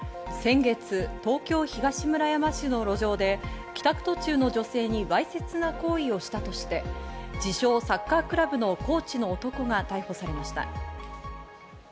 先月、東京・東村山市の路上で帰宅途中の女性にわいせつな行為をしたとして、自称サッカークラブのコーチの男が逮捕されました。